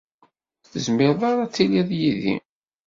ur tezmireḍ ara ad tiliḍ yid-i.